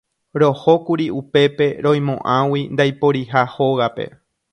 Rohókuri upépe roimo'ãgui ndaiporiha hógape.